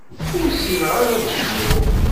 Ur ssineɣ ara ad cnuɣ.